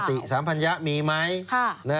สติสามพัญญามีไหม